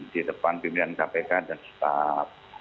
di depan pilihan kpk dan setelah